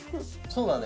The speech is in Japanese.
そうだね。